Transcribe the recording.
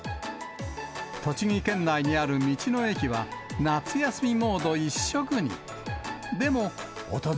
栃木県内にある道の駅は、夏休みモード一色に。